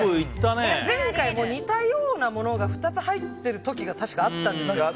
前回も似たようなものが２つ入ってる時が確かあったんですよ。